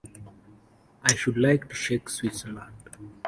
I should like to shake Switzerland.